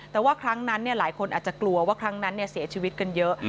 แต่ว่าครั้งนั้นหลายคนอาจจะกลัวว่าครั้งนั้นเสียชีวิตกันเยอะ